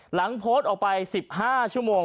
หลังโพสต์ออกไป๑๕ชั่วโมง